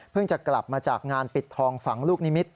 จะกลับมาจากงานปิดทองฝังลูกนิมิตร